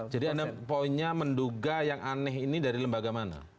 jadi anda poinnya menduga yang aneh ini dari lembaga mana